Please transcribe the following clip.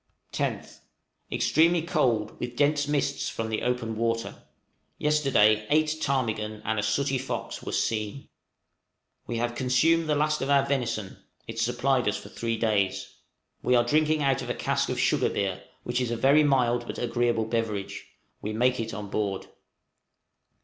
10th. Extremely cold, with dense mists from the open water. Yesterday eight ptarmigan and a sooty fox were seen. We have consumed the last of our venison; it supplied us for three days. We are drinking out a cask of sugar beer, which is a very mild but agreeable beverage; we make it on board.